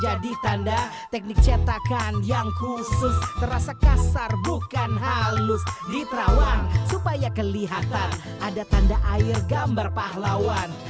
ada tanda air gambar pahlawan